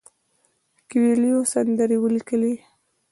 کویلیو سندرې ولیکلې.